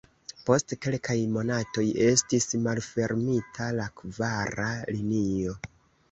Post kelkaj monatoj estis malfermita la kvara linio.